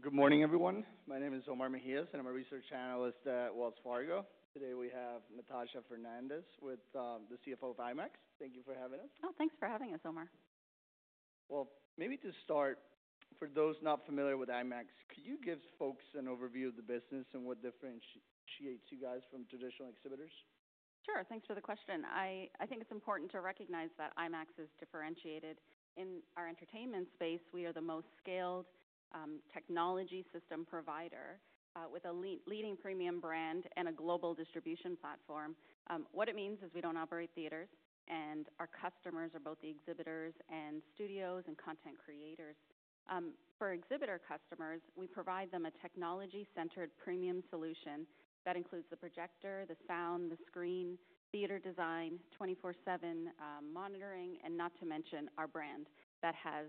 Good morning, everyone. My name is Omar Mejias, and I'm a research analyst at Wells Fargo. Today we have Natasha Fernandes, the CFO of IMAX. Thank you for having us. Oh, thanks for having us, Omar. Maybe to start, for those not familiar with IMAX, could you give folks an overview of the business and what differentiates you guys from traditional exhibitors? Sure. Thanks for the question. I think it's important to recognize that IMAX is differentiated. In our entertainment space, we are the most scaled, technology system provider, with a leading premium brand and a global distribution platform. What it means is we don't operate theaters, and our customers are both the exhibitors and studios and content creators. For exhibitor customers, we provide them a technology-centered premium solution that includes the projector, the sound, the screen, theater design, 24/7 monitoring, and not to mention our brand that has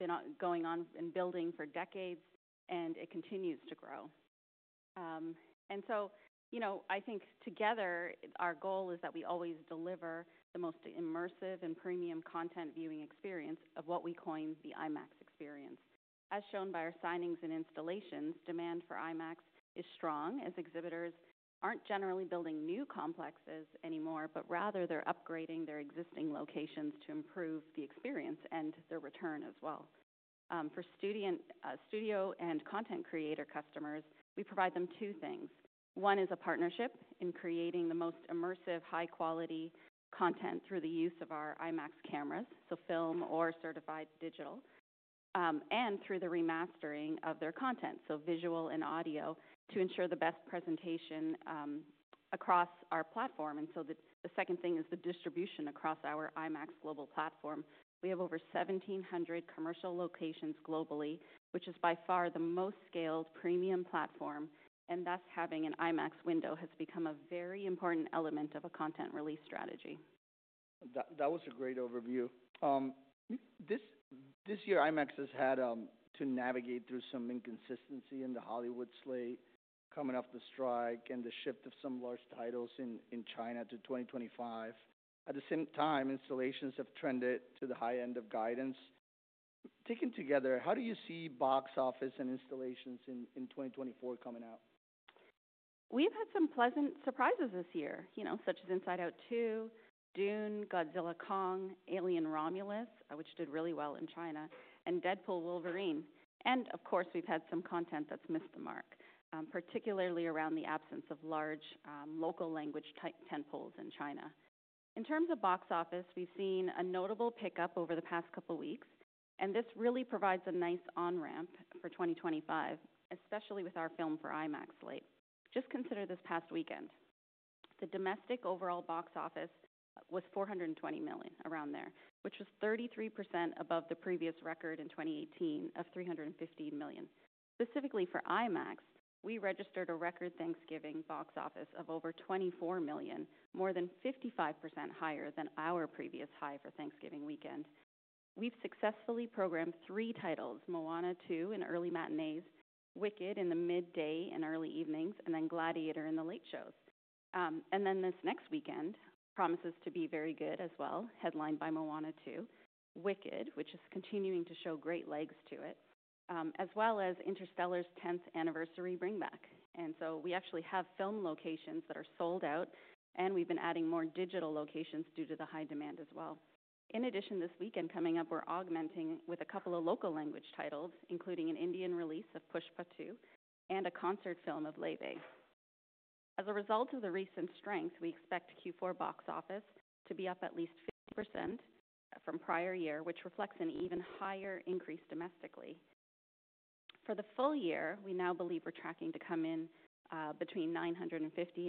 been ongoing and building for decades, and it continues to grow, and so, you know, I think together our goal is that we always deliver the most immersive and premium content viewing experience of what we coined the IMAX experience. As shown by our signings and installations, demand for IMAX is strong as exhibitors aren't generally building new complexes anymore, but rather they're upgrading their existing locations to improve the experience and their return as well. For studio and content creator customers, we provide them two things. One is a partnership in creating the most immersive, high-quality content through the use of our IMAX cameras, so film or certified digital, and through the remastering of their content, so visual and audio, to ensure the best presentation across our platform, and so the second thing is the distribution across our IMAX global platform. We have over 1,700 commercial locations globally, which is by far the most scaled premium platform, and thus having an IMAX window has become a very important element of a content release strategy. That was a great overview. This year IMAX has had to navigate through some inconsistency in the Hollywood slate coming off the strike and the shift of some large titles in China to 2025. At the same time, installations have trended to the high end of guidance. Taken together, how do you see box office and installations in 2024 coming out? We've had some pleasant surprises this year, you know, such as Inside Out 2, Dune, Godzilla x Kong, Alien: Romulus, which did really well in China, and Deadpool & Wolverine. Of course, we've had some content that's missed the mark, particularly around the absence of large, local language type tentpoles in China. In terms of box office, we've seen a notable pickup over the past couple of weeks, and this really provides a nice on-ramp for 2025, especially with our Filmed for IMAX slate. Just consider this past weekend. The domestic overall box office was $420 million, around there, which was 33% above the previous record in 2018 of $315 million. Specifically for IMAX, we registered a record Thanksgiving box office of over $24 million, more than 55% higher than our previous high for Thanksgiving weekend. We've successfully programmed three titles: Moana 2 in early matinees, Wicked in the midday and early evenings, and then Gladiator in the late shows, and then this next weekend promises to be very good as well, headlined by Moana 2, Wicked, which is continuing to show great legs to it, as well as Interstellar's 10th anniversary bring-back, and so we actually have film locations that are sold out, and we've been adding more digital locations due to the high demand as well. In addition, this weekend coming up, we're augmenting with a couple of local language titles, including an Indian release of Pushpa 2 and a concert film of Laufey. As a result of the recent strength, we expect Q4 box office to be up at least 50% from prior year, which reflects an even higher increase domestically. For the full year, we now believe we're tracking to come in between $950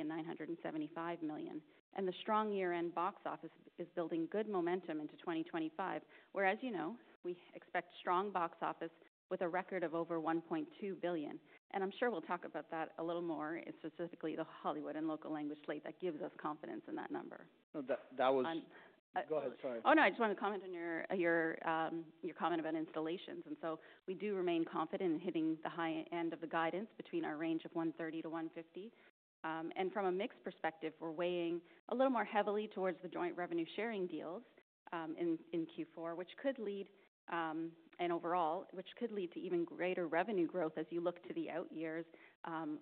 million and $975 million, and the strong year-end box office is building good momentum into 2025, where, as you know, we expect strong box office with a record of over $1.2 billion. And I'm sure we'll talk about that a little more, specifically the Hollywood and local language slate that gives us confidence in that number. No, that was. Go ahead. Sorry. Oh, no. I just wanted to comment on your comment about installations. And so we do remain confident in hitting the high end of the guidance between our range of 130 to 150. And from a mixed perspective, we're weighing a little more heavily towards the joint revenue-sharing deals in Q4, and overall, which could lead to even greater revenue growth as you look to the out years,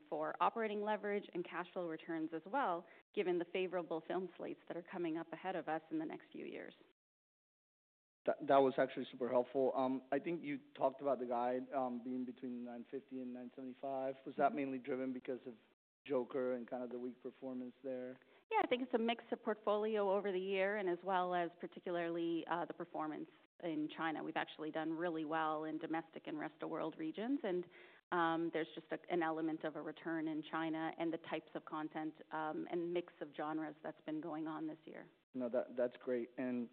for operating leverage and cash flow returns as well, given the favorable film slates that are coming up ahead of us in the next few years. That was actually super helpful. I think you talked about the guide, being between 950 and 975. Was that mainly driven because of Joker and kind of the weak performance there? Yeah. I think it's a mixed portfolio over the year and as well as particularly, the performance in China. We've actually done really well in domestic and rest of world regions, and there's just an element of a return in China and the types of content, and mix of genres that's been going on this year. No, that, that's great. And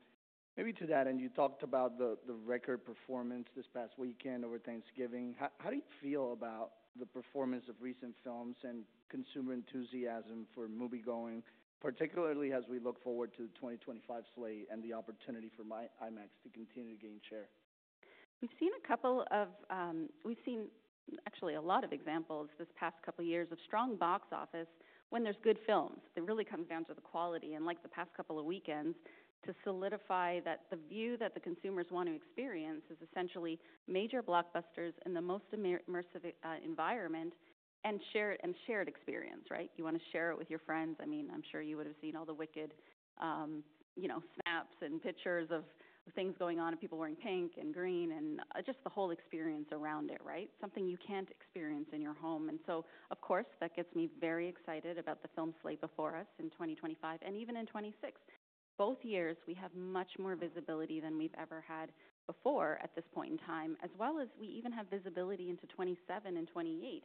maybe to that end, you talked about the record performance this past weekend over Thanksgiving. How do you feel about the performance of recent films and consumer enthusiasm for movie-going, particularly as we look forward to the 2025 slate and the opportunity for IMAX to continue to gain share? We've seen actually a lot of examples this past couple of years of strong box office when there's good films. It really comes down to the quality. Like the past couple of weekends, to solidify that the view that the consumers want to experience is essentially major blockbusters in the most immersive environment and shared experience, right? You want to share it with your friends. I mean, I'm sure you would have seen all the Wicked, you know, snaps and pictures of things going on and people wearing pink and green and just the whole experience around it, right? Something you can't experience in your home. So, of course, that gets me very excited about the film slate before us in 2025 and even in 2026. Both years, we have much more visibility than we've ever had before at this point in time, as well as we even have visibility into 2027 and 2028,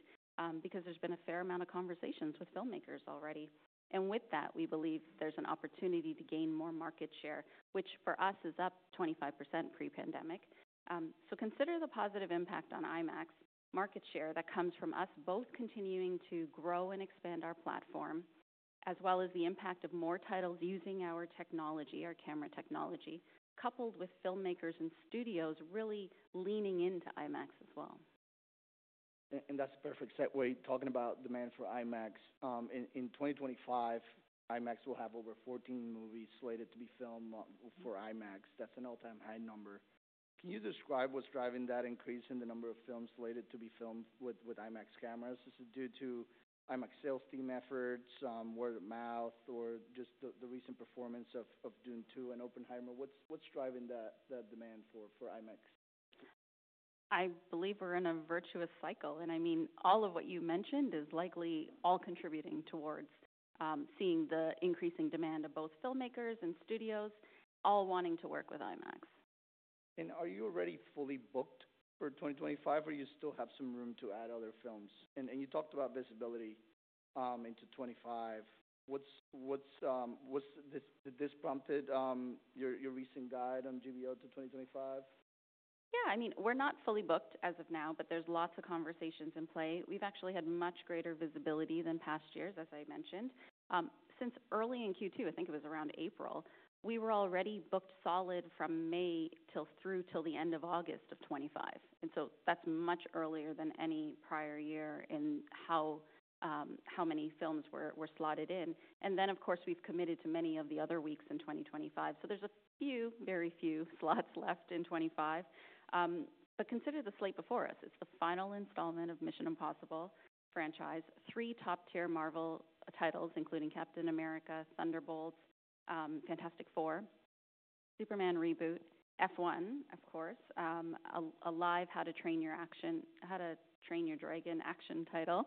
because there's been a fair amount of conversations with filmmakers already. And with that, we believe there's an opportunity to gain more market share, which for us is up 25% pre-pandemic. So consider the positive impact on IMAX market share that comes from us both continuing to grow and expand our platform, as well as the impact of more titles using our technology, our camera technology, coupled with filmmakers and studios really leaning into IMAX as well. That's a perfect segue talking about demand for IMAX. In 2025, IMAX will have over 14 movies slated to be filmed for IMAX. That's an all-time high number. Can you describe what's driving that increase in the number of films slated to be filmed with IMAX cameras? Is it due to IMAX sales team efforts, word of mouth, or just the recent performance of Dune 2 and Oppenheimer? What's driving that demand for IMAX? I believe we're in a virtuous cycle, and I mean, all of what you mentioned is likely all contributing towards seeing the increasing demand of both filmmakers and studios all wanting to work with IMAX. Are you already fully booked for 2025, or do you still have some room to add other films? You talked about visibility into 2025. What's this? Did this prompt your recent guide on GBO to 2025? Yeah. I mean, we're not fully booked as of now, but there's lots of conversations in play. We've actually had much greater visibility than past years, as I mentioned. Since early in Q2, I think it was around April, we were already booked solid from May till through to the end of August of 2025. And so that's much earlier than any prior year in how many films were slotted in. And then, of course, we've committed to many of the other weeks in 2025. So there's a few, very few slots left in 2025, but consider the slate before us. It's the final installment of Mission: Impossible franchise, three top-tier Marvel titles, including Captain America, Thunderbolts, Fantastic Four, Superman reboot, F1, of course, a live-action How to Train Your Dragon action title,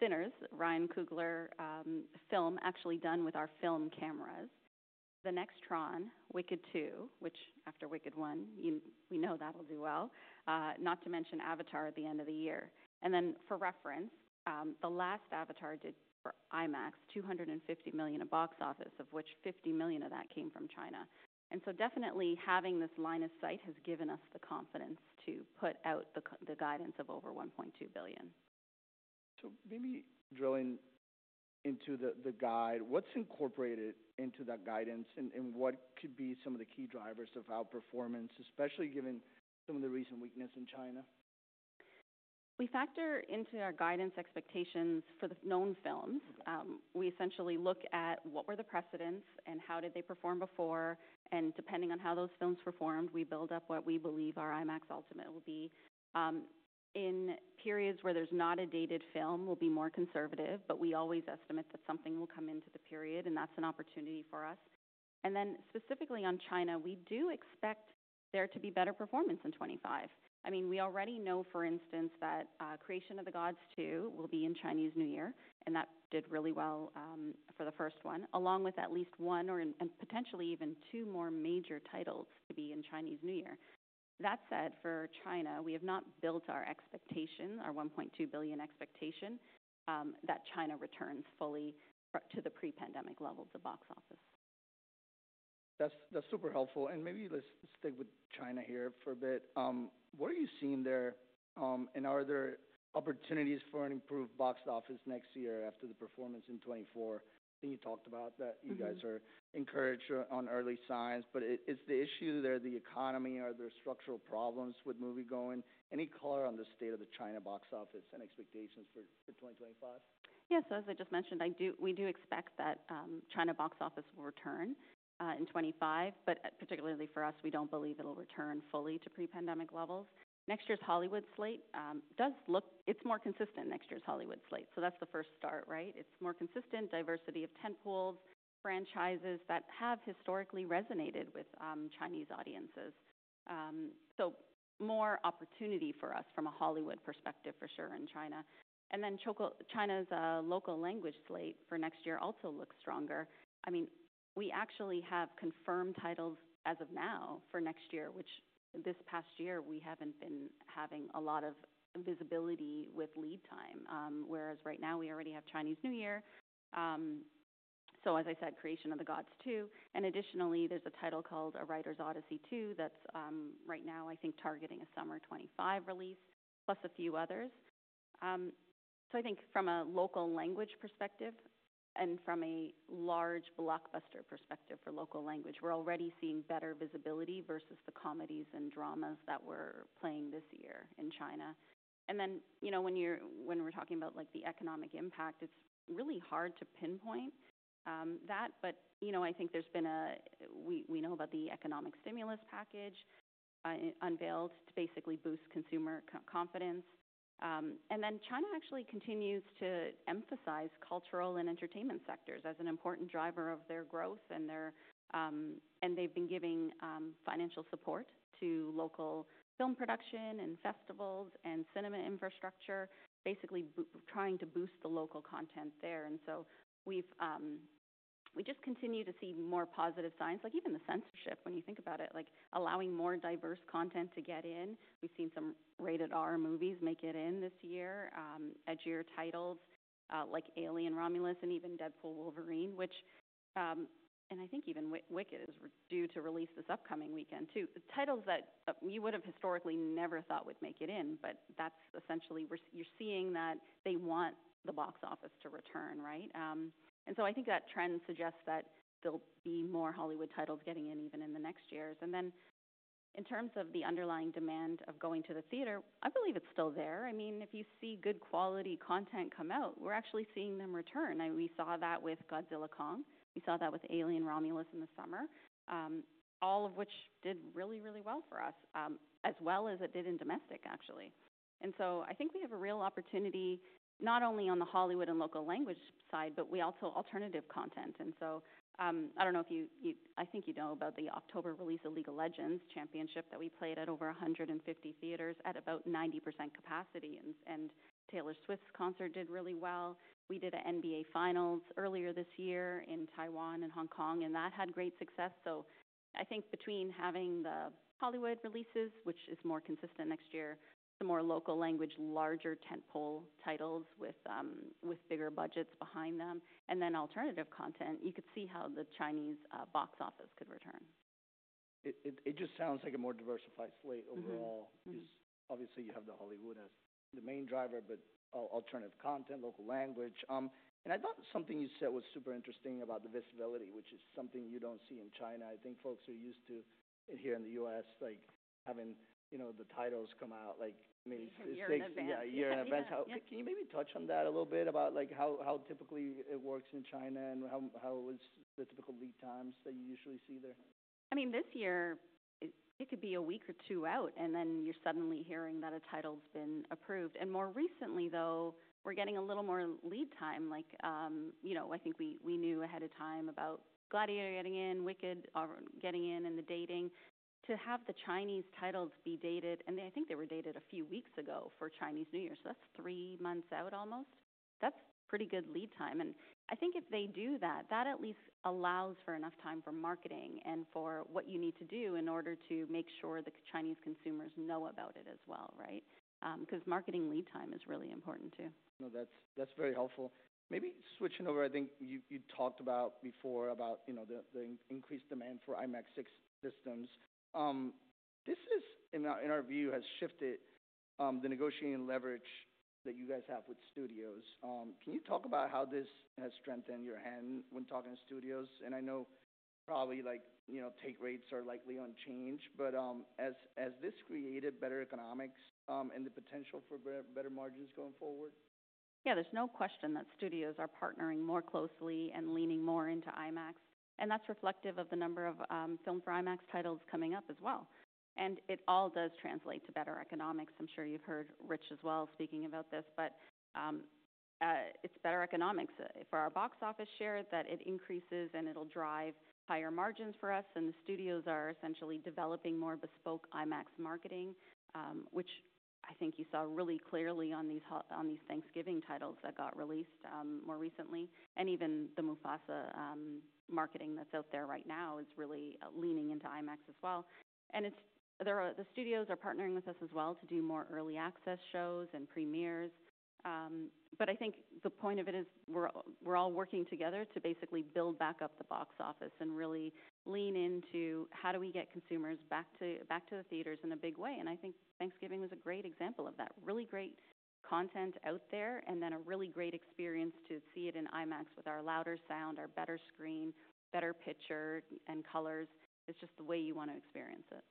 Sinners, Ryan Coogler film actually done with our film cameras, the next Tron, Wicked 2, which after Wicked 1, you know that'll do well, not to mention Avatar at the end of the year. Then for reference, the last Avatar did for IMAX $250 million at box office, of which $50 million of that came from China. So definitely having this line of sight has given us the confidence to put out the guidance of over $1.2 billion. So maybe drilling into the guide, what's incorporated into that guidance and what could be some of the key drivers of how performance, especially given some of the recent weakness in China? We factor into our guidance expectations for the known films. We essentially look at what were the precedents and how did they perform before, and depending on how those films performed, we build up what we believe our IMAX utilization will be. In periods where there's not a dated film, we'll be more conservative, but we always estimate that something will come into the period, and that's an opportunity for us, and then specifically on China, we do expect there to be better performance in 2025. I mean, we already know, for instance, that Creation of the Gods II will be in Chinese New Year, and that did really well for the first one, along with at least one, and potentially even two more major titles to be in Chinese New Year. That said, for China, we have not built our expectation, our $1.2 billion expectation, that China returns fully to the pre-pandemic levels of box office. That's super helpful. And maybe let's stick with China here for a bit. What are you seeing there, and are there opportunities for an improved box office next year after the performance in 2024 that you talked about that you guys are encouraged on early signs? But it's the issue there, the economy. Are there structural problems with movie-going? Any color on the state of the China box office and expectations for 2025? Yeah. So as I just mentioned, we do expect that China box office will return in 2025, but particularly for us, we don't believe it'll return fully to pre-pandemic levels. Next year's Hollywood slate does look more consistent. Next year's Hollywood slate. So that's the first start, right? It's more consistent diversity of tentpoles, franchises that have historically resonated with Chinese audiences. So more opportunity for us from a Hollywood perspective, for sure, in China. And then China's local language slate for next year also looks stronger. I mean, we actually have confirmed titles as of now for next year, which this past year we haven't been having a lot of visibility with lead time, whereas right now we already have Chinese New Year. So as I said, Creation of the Gods II, and additionally there's a title called A Writer's Odyssey II that's right now I think targeting a summer 2025 release, plus a few others. So I think from a local language perspective and from a large blockbuster perspective for local language, we're already seeing better visibility versus the comedies and dramas that were playing this year in China. And then, you know, when you're, when we're talking about like the economic impact, it's really hard to pinpoint that, but, you know, I think there's been, we know about the economic stimulus package, unveiled to basically boost consumer confidence. China actually continues to emphasize cultural and entertainment sectors as an important driver of their growth and their, and they've been giving financial support to local film production and festivals and cinema infrastructure, basically trying to boost the local content there. So we've, we just continue to see more positive signs, like even the censorship, when you think about it, like allowing more diverse content to get in. We've seen some rated R movies make it in this year, edgier titles, like Alien: Romulus and even Deadpool & Wolverine, which, and I think even Wicked is due to release this upcoming weekend too. Titles that you would have historically never thought would make it in, but that's essentially we're, you're seeing that they want the box office to return, right? And so I think that trend suggests that there'll be more Hollywood titles getting in even in the next years. And then in terms of the underlying demand of going to the theater, I believe it's still there. I mean, if you see good quality content come out, we're actually seeing them return. And we saw that with Godzilla x Kong. We saw that with Alien: Romulus in the summer, all of which did really, really well for us, as well as it did in domestic, actually. And so I think we have a real opportunity not only on the Hollywood and local language side, but we also alternative content. And so, I don't know if you, I think you know about the October release of League of Legends Championship that we played at over 150 theaters at about 90% capacity. And Taylor Swift's concert did really well. We did an NBA Finals earlier this year in Taiwan and Hong Kong, and that had great success, so I think between having the Hollywood releases, which is more consistent next year, some more local language, larger tentpole titles with bigger budgets behind them, and then alternative content, you could see how the Chinese box office could return. It just sounds like a more diversified slate overall. Mm-hmm. Because obviously you have Hollywood as the main driver, but alternative content, local language, and I thought something you said was super interesting about the visibility, which is something you don't see in China. I think folks are used to it here in the U.S., like having, you know, the titles come out like maybe six weeks. Yeah, yeah, yeah. A year in advance. Yeah. Can you maybe touch on that a little bit about like how typically it works in China and how is the typical lead times that you usually see there? I mean, this year it could be a week or two out, and then you're suddenly hearing that a title's been approved. And more recently though, we're getting a little more lead time, like, you know, I think we, we knew ahead of time about Gladiator getting in, Wicked getting in, and the dating to have the Chinese titles be dated. And I think they were dated a few weeks ago for Chinese New Year. So that's three months out almost. That's pretty good lead time. And I think if they do that, that at least allows for enough time for marketing and for what you need to do in order to make sure the Chinese consumers know about it as well, right? Because marketing lead time is really important too. No, that's very helpful. Maybe switching over, I think you talked about before, about, you know, the increased demand for IMAX systems. This is, in our view, has shifted the negotiating leverage that you guys have with studios. Can you talk about how this has strengthened your hand when talking to studios? And I know probably like, you know, take rates are likely unchanged, but as this created better economics, and the potential for better margins going forward? Yeah, there's no question that studios are partnering more closely and leaning more into IMAX. And that's reflective of the number of Filmed for IMAX titles coming up as well. And it all does translate to better economics. I'm sure you've heard Rich as well speaking about this, but it's better economics for our box office share that it increases and it'll drive higher margins for us. And the studios are essentially developing more bespoke IMAX marketing, which I think you saw really clearly on these Thanksgiving titles that got released more recently. And even the Mufasa marketing that's out there right now is really leaning into IMAX as well. And the studios are partnering with us as well to do more early access shows and premieres. But I think the point of it is we're all working together to basically build back up the box office and really lean into how do we get consumers back to the theaters in a big way. And I think Thanksgiving was a great example of that. Really great content out there and then a really great experience to see it in IMAX with our louder sound, our better screen, better picture, and colors. It's just the way you want to experience it.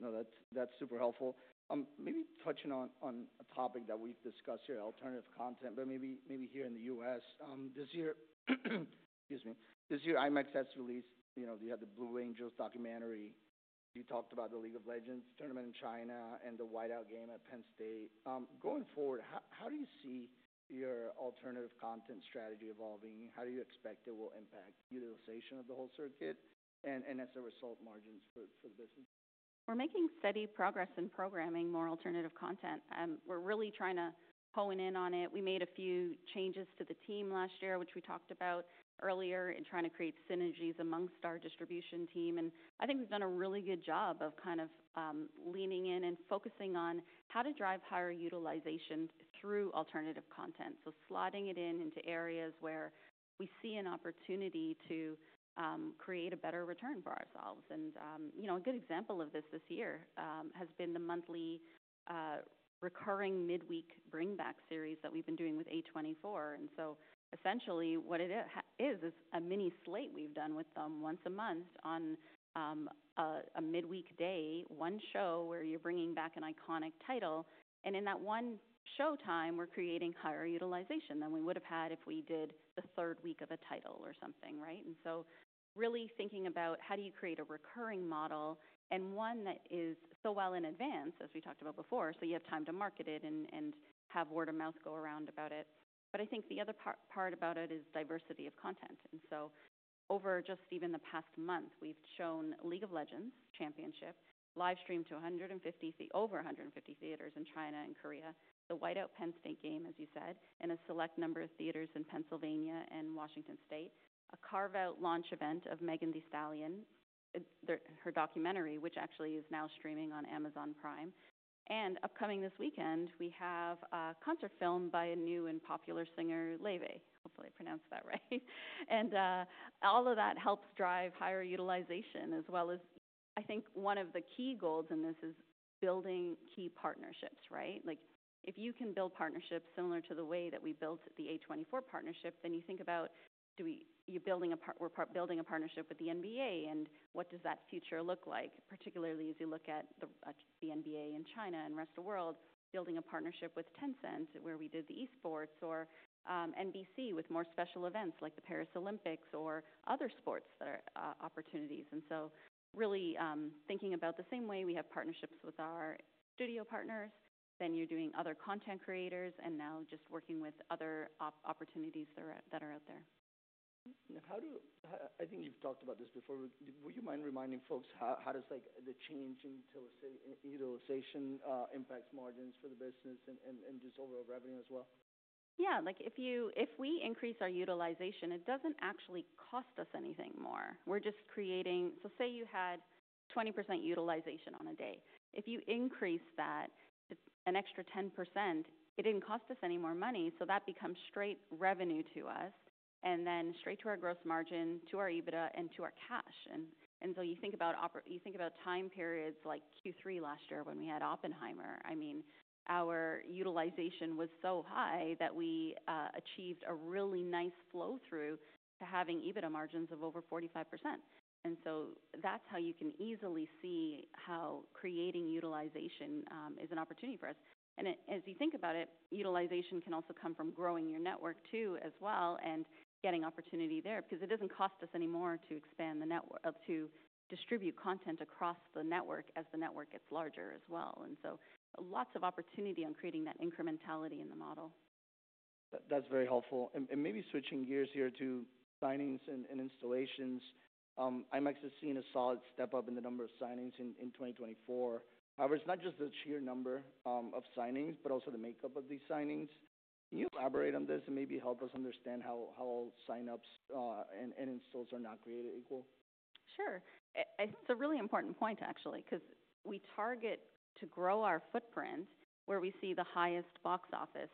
No, that's super helpful. Maybe touching on a topic that we've discussed here, alternative content, but maybe here in the U.S., this year, excuse me, this year IMAX has released, you know, you had The Blue Angels documentary. You talked about the League of Legends tournament in China and the White Out game at Penn State. Going forward, how do you see your alternative content strategy evolving? How do you expect it will impact utilization of the whole circuit and, as a result, margins for the business? We're making steady progress in programming more alternative content. We're really trying to hone in on it. We made a few changes to the team last year, which we talked about earlier in trying to create synergies amongst our distribution team. And I think we've done a really good job of kind of leaning in and focusing on how to drive higher utilization through alternative content. So slotting it into areas where we see an opportunity to create a better return for ourselves. And you know, a good example of this year has been the monthly recurring midweek bring back series that we've been doing with A24. And so essentially what it is is a mini slate we've done with them once a month on a midweek day, one show where you're bringing back an iconic title. In that one show time, we're creating higher utilization than we would've had if we did the third week of a title or something, right? So really thinking about how do you create a recurring model and one that is so well in advance, as we talked about before, so you have time to market it and have word of mouth go around about it. I think the other part about it is diversity of content. Over just even the past month, we've shown League of Legends Championship live stream to 150, over 150 theaters in China and Korea, the White Out Penn State game, as you said, in a select number of theaters in Pennsylvania and Washington State, a carve-out launch event of Megan Thee Stallion, their, her documentary, which actually is now streaming on Amazon Prime. Upcoming this weekend, we have a concert film by a new and popular singer, Laufey. Hopefully I pronounced that right. All of that helps drive higher utilization as well as I think one of the key goals in this is building key partnerships, right? Like if you can build partnerships similar to the way that we built the A24 partnership, then you think about we're building a partnership with the NBA and what does that future look like, particularly as you look at the NBA in China and rest of the world, building a partnership with Tencent where we did the esports or NBC with more special events like the Paris Olympics or other sports that are opportunities. And so really, thinking about the same way we have partnerships with our studio partners, then you're doing other content creators and now just working with other opportunities that are out there. I think you've talked about this before. Would you mind reminding folks how, like, the change in utilization impacts margins for the business and just overall revenue as well? Yeah. Like if you, if we increase our utilization, it doesn't actually cost us anything more. We're just creating, so say you had 20% utilization on a day. If you increase that, it's an extra 10%, it didn't cost us any more money. So that becomes straight revenue to us and then straight to our gross margin, to our EBITDA and to our cash. And so you think about time periods like Q3 last year when we had Oppenheimer. I mean, our utilization was so high that we achieved a really nice flow through to having EBITDA margins of over 45%. And so that's how you can easily see how creating utilization is an opportunity for us. And as you think about it, utilization can also come from growing your network too as well and getting opportunity there because it doesn't cost us any more to expand the network, to distribute content across the network as the network gets larger as well. And so lots of opportunity on creating that incrementality in the model. That's very helpful. And maybe switching gears here to signings and installations. IMAX has seen a solid step up in the number of signings in 2024. However, it's not just the sheer number of signings, but also the makeup of these signings. Can you elaborate on this and maybe help us understand how signings and installs are not created equal? Sure. I think it's a really important point actually because we target to grow our footprint where we see the highest box office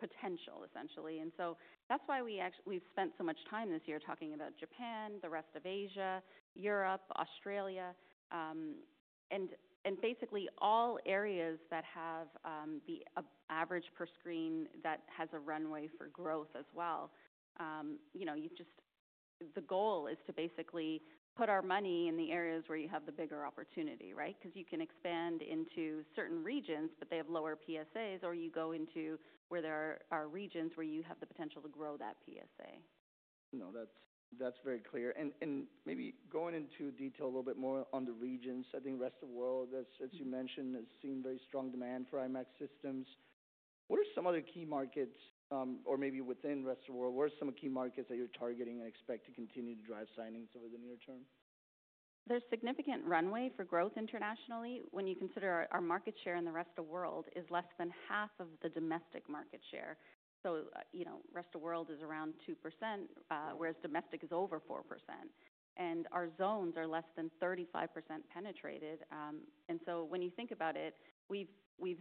potential essentially. And so that's why we actually, we've spent so much time this year talking about Japan, the rest of Asia, Europe, Australia, and basically all areas that have the average per screen that has a runway for growth as well. You know, you just, the goal is to basically put our money in the areas where you have the bigger opportunity, right? Because you can expand into certain regions, but they have lower PSAs or you go into where there are regions where you have the potential to grow that PSA. No, that's very clear. And maybe going into detail a little bit more on the regions, I think rest of the world, as you mentioned, has seen very strong demand for IMAX systems. What are some other key markets, or maybe within rest of the world, what are some key markets that you're targeting and expect to continue to drive signings over the near term? There's significant runway for growth internationally when you consider our market share in the rest of the world is less than half of the domestic market share. So, you know, rest of the world is around 2%, whereas domestic is over 4%. And our zones are less than 35% penetrated. And so when you think about it, we've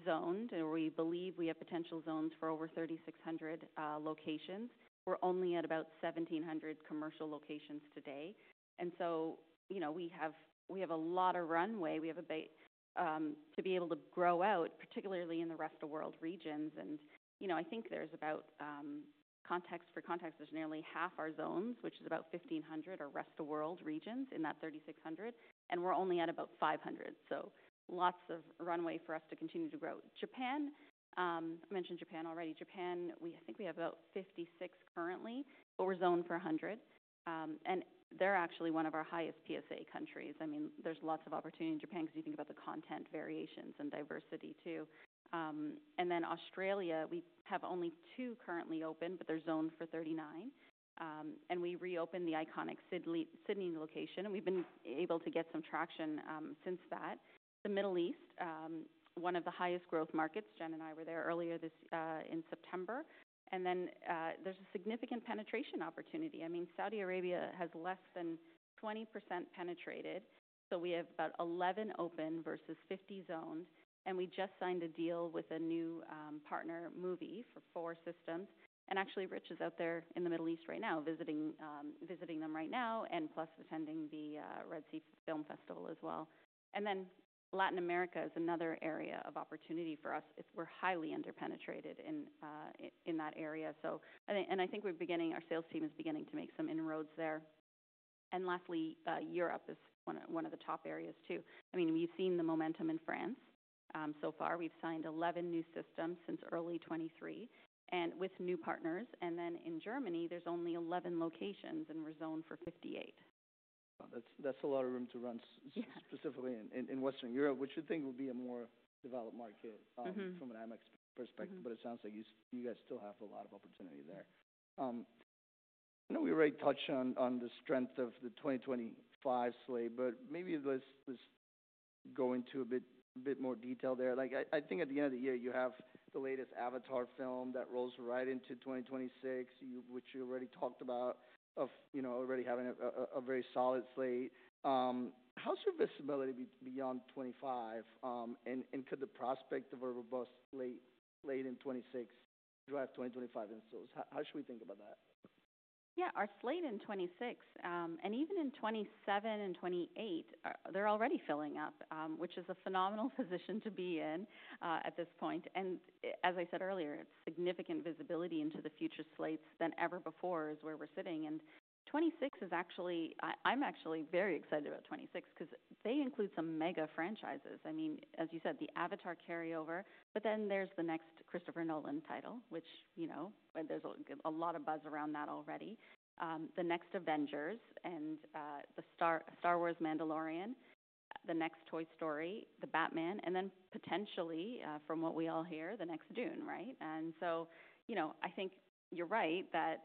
zoned or we believe we have potential zones for over 3,600 locations. We're only at about 1,700 commercial locations today. And so, you know, we have a lot of runway. We have a big to be able to grow out, particularly in the rest of the world regions. And, you know, I think there's about, context for context, there's nearly half our zones, which is about 1,500 or rest of the world regions in that 3,600. And we're only at about 500. So lots of runway for us to continue to grow. Japan, I mentioned Japan already. Japan, we think we have about 56 currently, but we're zoned for a hundred. And they're actually one of our highest PSA countries. I mean, there's lots of opportunity in Japan because you think about the content variations and diversity too. And then Australia, we have only two currently open, but they're zoned for 39. And we reopened the iconic Sydney location. And we've been able to get some traction since that. The Middle East, one of the highest growth markets. Jen and I were there earlier this year, in September. And then, there's a significant penetration opportunity. I mean, Saudi Arabia has less than 20% penetrated. So we have about 11 open versus 50 zoned. And we just signed a deal with a new partner, Muvi, for four systems. Actually, Rich is out there in the Middle East right now visiting them right now and plus attending the Red Sea Film Festival as well. Then Latin America is another area of opportunity for us. It's, we're highly underpenetrated in, in that area. I think our sales team is beginning to make some inroads there. Lastly, Europe is one of the top areas too. I mean, we've seen the momentum in France. So far we've signed 11 new systems since early 2023 and with new partners. Then in Germany, there's only 11 locations and we're zoned for 58. That's a lot of room to run specifically in Western Europe, which you think will be a more developed market, from an IMAX perspective, but it sounds like you guys still have a lot of opportunity there. I know we already touched on the strength of the 2025 slate, but maybe let's go into a bit more detail there. Like I think at the end of the year you have the latest Avatar film that rolls right into 2026, which you already talked about, you know, already having a very solid slate. How's your visibility beyond 2025? And could the prospect of a robust slate in 2026 drive 2025 installs? How should we think about that? Yeah, our slate in 2026, and even in 2027 and 2028, they're already filling up, which is a phenomenal position to be in, at this point. And as I said earlier, it's significant visibility into the future slates than ever before is where we're sitting. And 2026 is actually, I'm actually very excited about 2026 because they include some mega franchises. I mean, as you said, the Avatar carryover, but then there's the next Christopher Nolan title, which, you know, there's a lot of buzz around that already. The next Avengers and, the Star Wars Mandalorian, the next Toy Story, the Batman, and then potentially, from what we all hear, the next Dune, right? And so, you know, I think you're right that,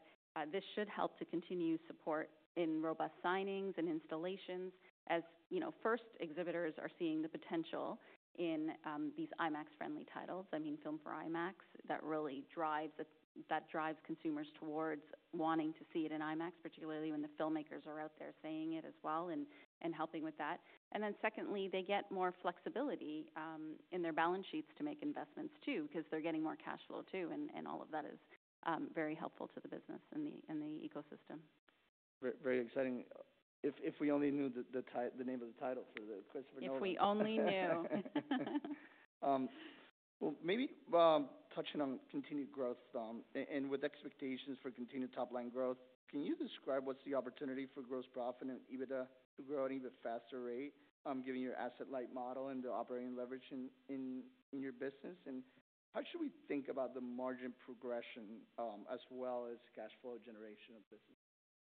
this should help to continue support in robust signings and installations as, you know, first exhibitors are seeing the potential in, these IMAX-friendly titles. I mean, Filmed for IMAX that really drives consumers towards wanting to see it in IMAX, particularly when the filmmakers are out there saying it as well and helping with that. And then secondly, they get more flexibility in their balance sheets to make investments too because they're getting more cash flow too. And all of that is very helpful to the business and the ecosystem. Very, very exciting. If we only knew the title, the name of the title for the Christopher Nolan. If we only knew. Well, maybe touching on continued growth and with expectations for continued top line growth, can you describe what's the opportunity for gross profit and EBITDA to grow at an even faster rate, given your asset light model and the operating leverage in your business? And how should we think about the margin progression, as well as cash flow generation of business?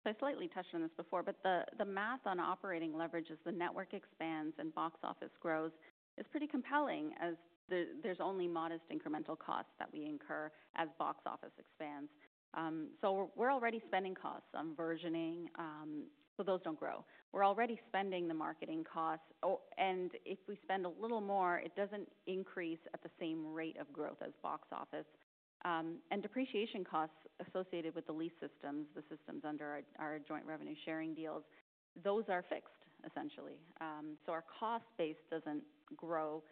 So I slightly touched on this before, but the math on operating leverage as the network expands and box office grows is pretty compelling as there's only modest incremental costs that we incur as box office expands. So we're already spending costs on versioning, so those don't grow. We're already spending the marketing costs. Oh, and if we spend a little more, it doesn't increase at the same rate of growth as box office. And depreciation costs associated with the lease systems, the systems under our joint revenue sharing deals, those are fixed essentially. So our cost base doesn't grow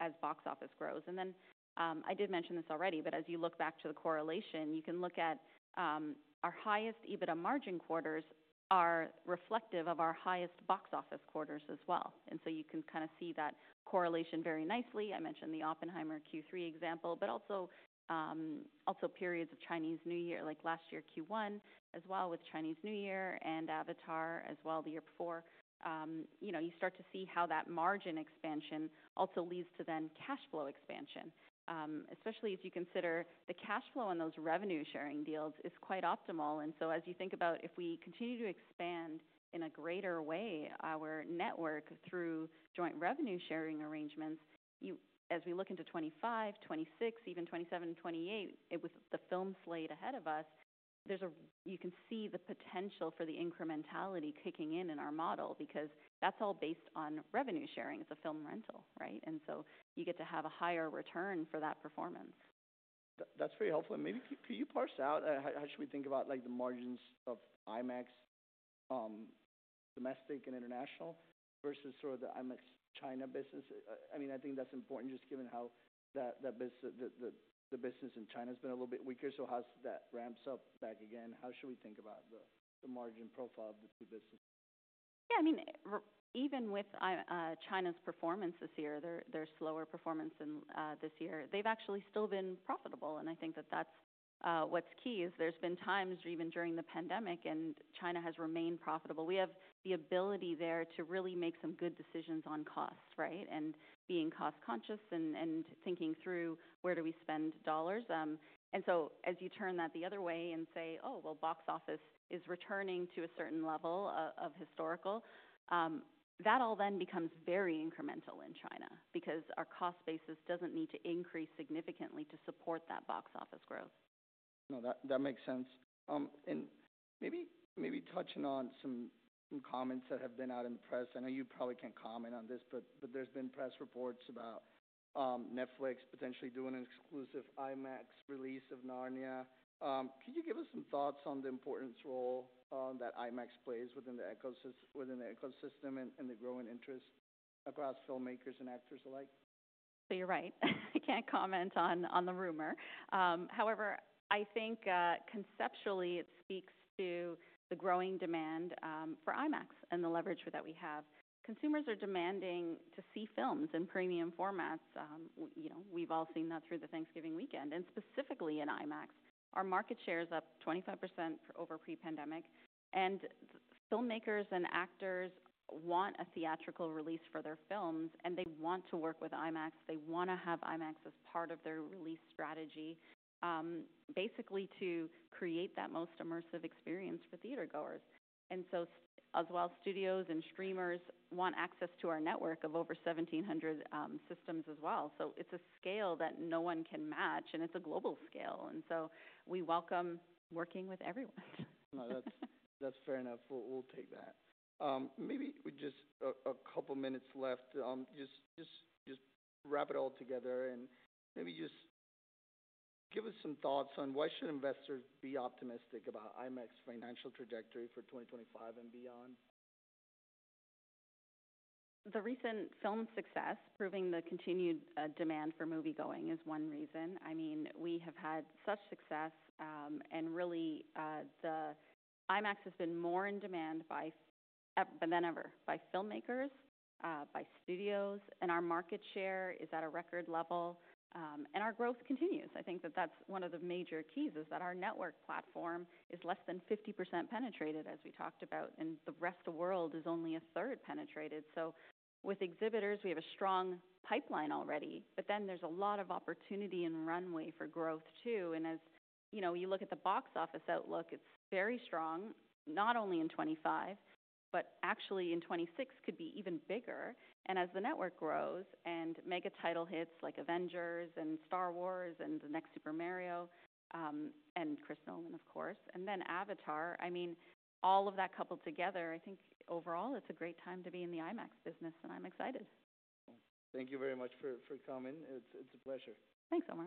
as box office grows. And then, I did mention this already, but as you look back to the correlation, you can look at our highest EBITDA margin quarters are reflective of our highest box office quarters as well. And so you can kind of see that correlation very nicely. I mentioned the Oppenheimer Q3 example, but also periods of Chinese New Year, like last year Q1 as well with Chinese New Year and Avatar as well the year before. You know, you start to see how that margin expansion also leads to then cash flow expansion, especially as you consider the cash flow on those revenue sharing deals is quite optimal. And so as you think about if we continue to expand in a greater way our network through joint revenue sharing arrangements, you, as we look into 2025, 2026, even 2027 and 2028, with the film slate ahead of us, there's a, you can see the potential for the incrementality kicking in in our model because that's all based on revenue sharing. It's a film rental, right? You get to have a higher return for that performance. That's very helpful. And maybe could you parse out how should we think about like the margins of IMAX, domestic and international versus sort of the IMAX China business? I mean, I think that's important just given how that business, the business in China has been a little bit weaker. So how's that ramp up back again? How should we think about the margin profile of the two businesses? Yeah. I mean, even with China's performance this year, their slower performance this year, they've actually still been profitable. And I think that that's what's key is there's been times even during the pandemic and China has remained profitable. We have the ability there to really make some good decisions on cost, right? And being cost conscious and thinking through where do we spend dollars. So as you turn that the other way and say, oh, well box office is returning to a certain level of historical, that all then becomes very incremental in China because our cost basis doesn't need to increase significantly to support that box office growth. No, that makes sense. And maybe touching on some comments that have been out in the press. I know you probably can't comment on this, but there's been press reports about Netflix potentially doing an exclusive IMAX release of Narnia. Could you give us some thoughts on the important role that IMAX plays within the ecosystem and the growing interest across filmmakers and actors alike? You're right. I can't comment on the rumor. However, I think conceptually it speaks to the growing demand for IMAX and the leverage that we have. Consumers are demanding to see films in premium formats. You know, we've all seen that through the Thanksgiving weekend and specifically in IMAX. Our market share is up 25% from over pre-pandemic. Filmmakers and actors want a theatrical release for their films and they want to work with IMAX. They want to have IMAX as part of their release strategy, basically to create that most immersive experience for theatergoers. All studios and streamers want access to our network of over 1,700 systems as well. It's a scale that no one can match and it's a global scale. We welcome working with everyone. No, that's, that's fair enough. We'll, we'll take that. Maybe we just have a couple minutes left. Just wrap it all together and maybe just give us some thoughts on why should investors be optimistic about IMAX's financial trajectory for 2025 and beyond? The recent film success proving the continued demand for movie going is one reason. I mean, we have had such success, and really, the IMAX has been more in demand by filmmakers than ever, by studios, and our market share is at a record level. And our growth continues. I think that that's one of the major keys is that our network platform is less than 50% penetrated as we talked about, and the rest of the world is only a third penetrated. So with exhibitors, we have a strong pipeline already, but then there's a lot of opportunity and runway for growth too. And as you know, you look at the box office outlook, it's very strong, not only in 2025, but actually in 2026 could be even bigger. And as the network grows and mega title hits like Avengers and Star Wars and the next Super Mario, and Chris Nolan, of course, and then Avatar, I mean, all of that coupled together, I think overall it's a great time to be in the IMAX business and I'm excited. Thank you very much for coming. It's a pleasure. Thanks so much.